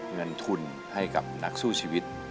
เงินทุนให้กับนักสู้ชีวิต